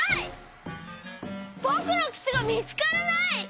ぼくのくつがみつからない！